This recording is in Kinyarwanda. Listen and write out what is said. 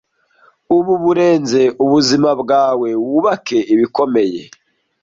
ubu burenze ubuzima bwawe wubake ibikomeye